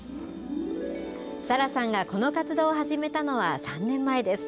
沙羅さんがこの活動を始めたのは３年前です。